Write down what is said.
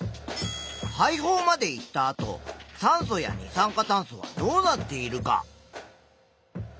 肺胞まで行ったあと酸素や二酸化炭素はどうなっているか？